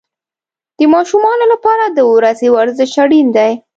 د ماشومانو لپاره د ورځې ورزش اړین دی.